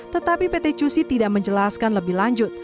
tetapi pt cusi tidak menjelaskan lebih lanjut